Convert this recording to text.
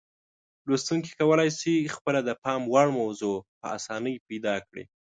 لوستونکي کولای شي خپله د پام وړ موضوع په اسانۍ پیدا کړي.